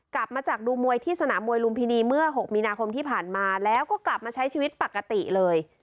กลับมาจากดูมวยที่สนามมวยลุมพินีเมื่อ๖มีนาคมที่ผ่านมาแล้วก็กลับมาใช้ชีวิตปกติเลย